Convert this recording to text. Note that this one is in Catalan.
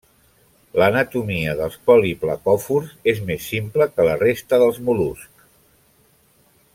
L'anatomia dels poliplacòfors és més simple que la resta dels mol·luscs.